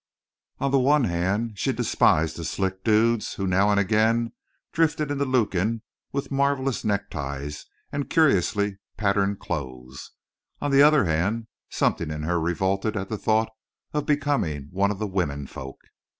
On the one hand she despised the "slick dudes" who now and again drifted into Lukin with marvelous neckties and curiously patterned clothes; on the other hand, something in her revolted at the thought of becoming one of the "womenfolk."